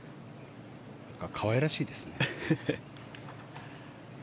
可愛らしいですね。